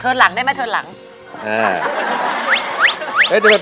หลังได้ไหมเทินหลัง